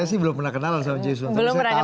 saya sih belum pernah kenal james bond